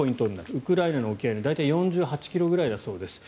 ウクライナの沖合で大体４８ｋｍぐらいだそうです。